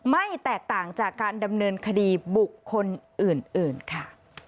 ไม่แตกต่างจากการดำเนินคดีบุคคลอื่นค่ะ